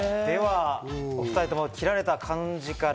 お２人とも切られた感じから。